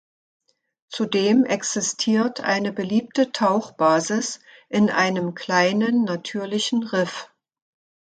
Zudem existiert eine beliebte Tauchbasis in einem kleinen natürlichen Riff.